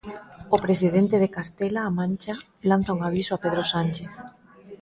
O presidente de Castela A Mancha lanza un aviso a Pedro Sánchez.